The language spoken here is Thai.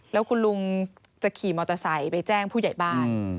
แล้วคุณลุงจะขี่มอเตอร์ไซค์ไปแจ้งผู้ใหญ่บ้าน